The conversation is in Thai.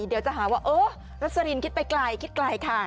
เดี๋ยวจะหาว่าว่ารัศรีรินรจน์ธิ์เก่า